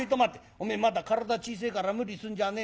おめえまだ体小せえから無理すんじゃねえぞ。